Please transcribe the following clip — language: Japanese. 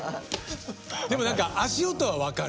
でも何か足音は分かる。